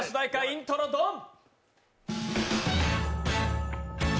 イントロ・ドン。